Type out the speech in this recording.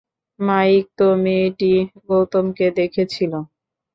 Mic, তো মেয়েটি গৌতমকে দেখেছিল।